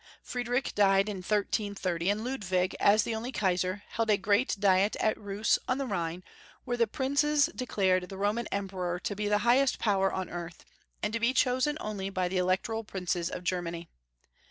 Friedrich died in 1330, and Ludwig, as the only Kaisar, held a great diet at Reuse on the Rhine, where the princes de clared the Roman Emperor to be the highest power on earth, and to be chosen only by the Electoral princes of Germany.